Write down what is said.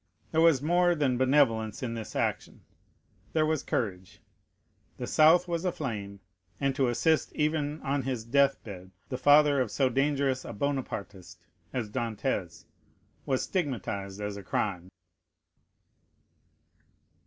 There was more than benevolence in this action; there was courage; the south was aflame, and to assist, even on his death bed, the father of so dangerous a Bonapartist as Dantès, was stigmatized as a crime.